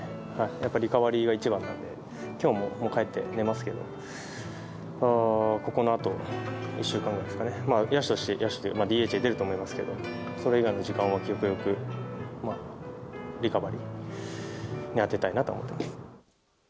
やっぱリカバリーが一番なんで、きょうももう、帰って寝ますけど、このあと１週間ぐらいですかね、野手として、ＤＨで出ると思いますけど、それ以外の時間は極力、リカバリーに充てたいなと思っています。